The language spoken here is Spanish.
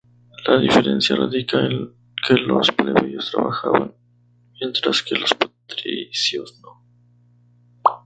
La diferencia radica en que los plebeyos trabajan mientras que los patricios no.